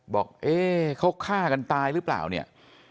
บอกเอ๊เขาฆ่ากันตายหรือเปล่าเนี่ย